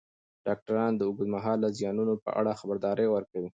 ډاکټران د اوږدمهاله زیانونو په اړه خبرداری ورکوي.